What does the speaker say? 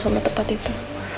sama tempat itu